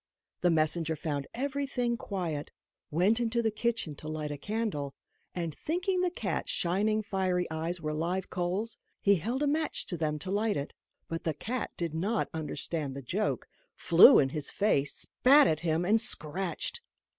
The messenger found everything quiet, went into the kitchen to light a candle, and, thinking the cat's shining fiery eyes were live coals, he held a match to them to light it. But the cat did not understand the joke, flew in his face, spat at him, and scratched.